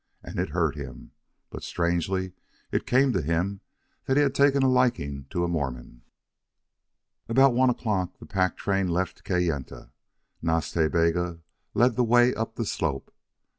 And it hurt him. But strangely it came to him that he had taken a liking to a Mormon. About one o'clock the pack train left Kayenta. Nas Ta Bega led the way up the slope.